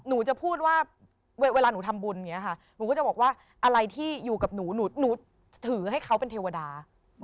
หนูจะพูดว่าเวลาหนูทำบุญอย่างนี้ค่ะหนูก็จะบอกว่าอะไรที่อยู่กับหนูหนูถือให้เขาเป็นเทวดา